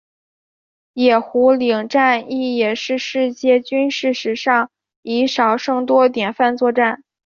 野狐岭战役也是世界军事史上以少胜多典范作战。